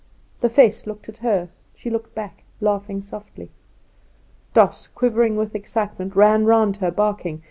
The face looked at her; she looked back, laughing softly. Doss, quivering with excitement, ran round her, barking.